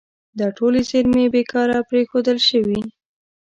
دا ټولې زیرمې بې کاره پرېښودل شوي.